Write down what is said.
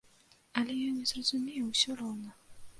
Але ён не зразумее ўсё роўна.